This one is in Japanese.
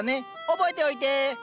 覚えておいて。